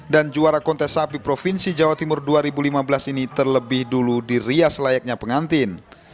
juara kontes sapi provinsi jawa timur dua ribu lima belas ini terlebih dulu dirias layaknya pengantin